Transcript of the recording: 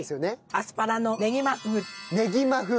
アスパラのねぎま風。